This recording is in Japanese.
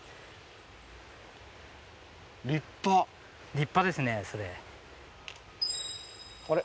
立派ですねそれ。